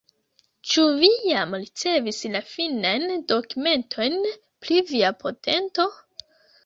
Ĉu vi jam ricevis la finajn dokumentojn pri via patento?